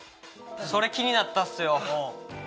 それ気になったっすよ。